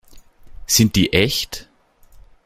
Sind die echt?